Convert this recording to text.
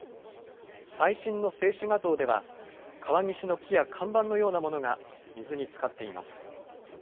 最新の静止画像では、川岸の木や看板のようなものが水につかっています。